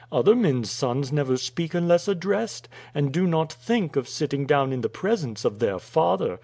Other men's sons never speak unless addressed, and do not think of sitting down in the presence of their father.